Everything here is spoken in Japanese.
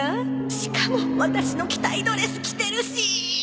しかもワタシの着たいドレス着てるし！